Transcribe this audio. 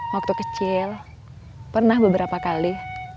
waktu kecil pernah beberapa kali